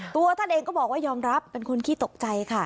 ตัวท่านเองก็บอกว่ายอมรับเป็นคนขี้ตกใจค่ะ